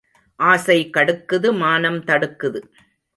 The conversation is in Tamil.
ஆசை கடுக்குது மானம் தடுக்குது.